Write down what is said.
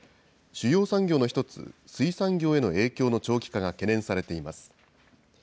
主要産業の一つ、水産業への影響の長期化が懸念されています。